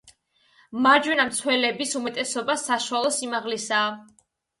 მარჯვენა მცველების უმეტესობა საშუალო სიმაღლისაა.